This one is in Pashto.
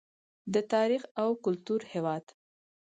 د تاریخ او کلتور هیواد.